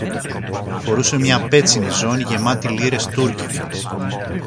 Φορούσε μια πέτσινη ζώνη γεμάτη λίρες τούρκικες